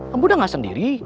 ambo udah gak sendiri